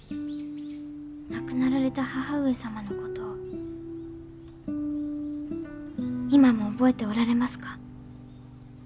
亡くなられた義母上様の事を今も覚えておられますか？